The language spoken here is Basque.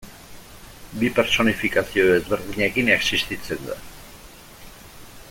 Bi pertsonifikazio ezberdinekin existitzen da.